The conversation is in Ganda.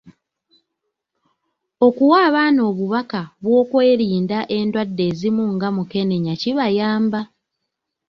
Okuwa abaana obubaka bw'okwerinda endwadde ezimu nga mukenenya kibayamba.